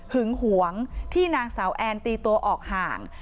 หึงหวงที่นางสาวแอนตีตัวออกห่าง